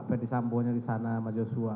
pak fetih sambonya disana sama joshua